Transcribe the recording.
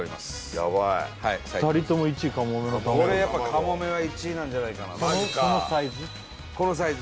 ヤバい二人とも１位かもめの玉子やっぱかもめは１位なんじゃないかなとそのサイズ？